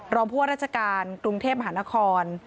รองพวกราชการกรุงเทพมหานคร